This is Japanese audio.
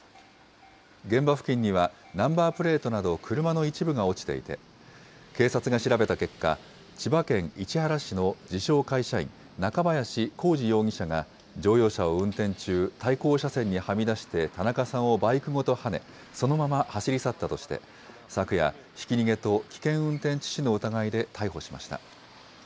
現場付近には、ナンバープレートなど車の一部が落ちていて、警察が調べた結果、千葉県市原市の自称会社員、中林航治容疑者が乗用車を運転中、対向車線にはみ出して田中さんをバイクごとはね、そのまま走り去ったとして、昨夜、ひき逃げと危険運転致死の疑いで逮捕しました。